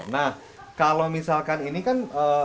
nah kalau misalkan ini kan